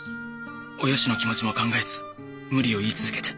およしの気持ちも考えず無理を言い続けて。